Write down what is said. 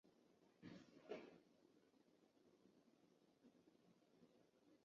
当时国民政府财政上面对的困局是中央丧失田赋收入及地方上存在着税收混乱。